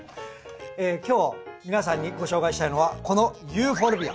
今日皆さんにご紹介したいのはこのユーフォルビア。